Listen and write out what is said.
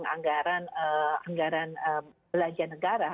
anggaran belanja negara